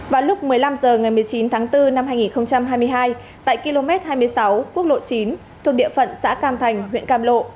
vào lúc một mươi năm h ngày một mươi chín tháng bốn năm hai nghìn hai mươi hai tại km hai mươi sáu quốc lộ chín thuộc địa phận xã cam thành huyện cam lộ